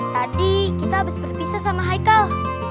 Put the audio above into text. tadi kita habis berpisah sama haikal